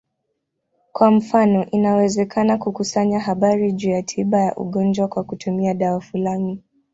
Kwa mfano, inawezekana kukusanya habari juu ya tiba ya ugonjwa kwa kutumia dawa fulani.